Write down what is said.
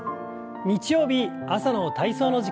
日曜日朝の体操の時間です。